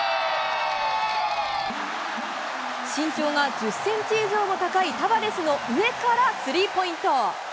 身長が１０センチ以上も高い、タバレスの上からスリーポイント。